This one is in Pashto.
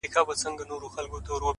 راته راگوره مه د سره اور انتهاء به سم;